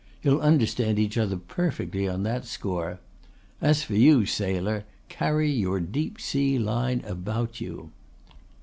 You'll understand each other perfectly on that score. As for you, sailor, carry your deep sea line about you."